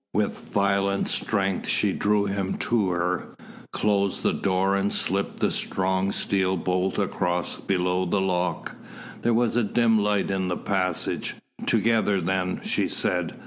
With violent strength she drew him to her, closed the door and slipped the strong steel bolt across below the lock. There was a dim light in the passage. "Together, then," she said.